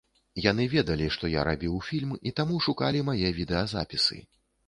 Яны ведалі, што я рабіў фільм, і таму шукалі мае відэазапісы.